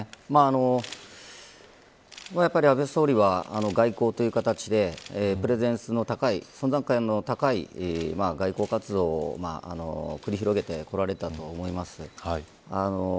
安倍元総理は、外交という形でプレゼンスの高い存在感の高い外交活動を繰り広げてこられたと思います。